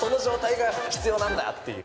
でもその状態が必要なんだっていう。